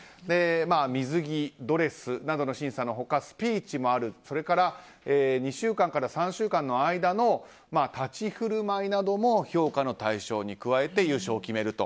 水着、ドレスなどの審査の他スピーチもありそれから２週間から３週間の間の立ち振る舞いなども評価の対象に加えて優勝を決めると。